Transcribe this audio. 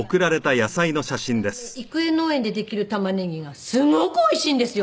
またね郁恵農園でできる玉ねぎがすごくおいしいんですよ。